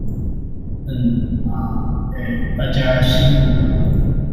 嗯、啊、欸。大家辛苦了